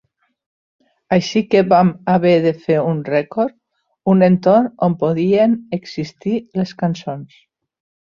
Així que vam haver de fer un rècord, un entorn on podien existir les cançons.